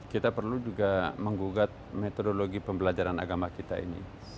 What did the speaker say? kita perlu juga menggugat metodologi pembelajaran agama kita ini